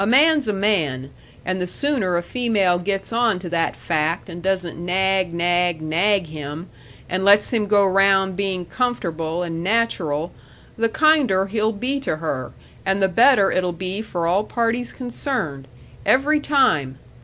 A man's a man, and the sooner a female gets on to that fact and doesn't nag, nag, nag him, and let's him go round being comfortable and natural, the kinder he'll be to her, and the better it'll be for all parties concerned. Every time!